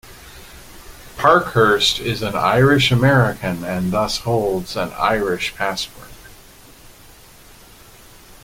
Parkhurst is an Irish-American and thus holds an Irish passport.